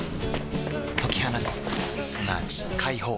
解き放つすなわち解放